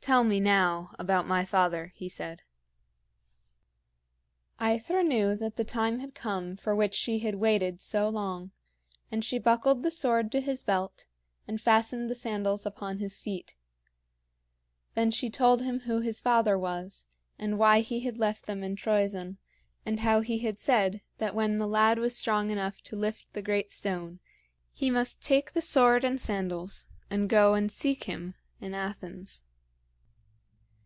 "Tell me now about my father," he said. [Illustration: "SHE BUCKLED THE SWORD TO HIS BELT."] AEthra knew that the time had come for which she had waited so long, and she buckled the sword to his belt and fastened the sandals upon his feet. Then she told him who his father was, and why he had left them in Troezen, and how he had said that when the lad was strong enough to lift the great stone, he must take the sword and sandals and go and seek him in Athens.